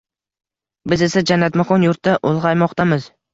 Biz esa jannatmakon yurtda ulg‘aymoqdamiz